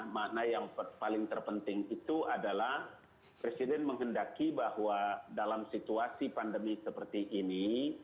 makna yang paling terpenting itu adalah presiden menghendaki bahwa dalam situasi pandemi seperti ini